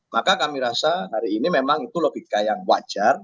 maka kami rasa hari ini memang itu logika yang wajar